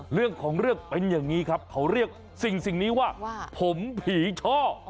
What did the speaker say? เรื่องของเรื่องเป็นอย่างนี้ครับเขาเรียกสิ่งนี้ว่าผมผีช่อ